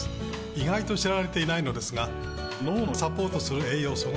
意外と知られてないのですが脳をサポートする栄養素があります